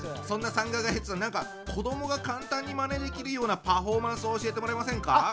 そんな３ガガヘッズ何か子どもが簡単にマネできるようなパフォーマンスを教えてもらえませんか？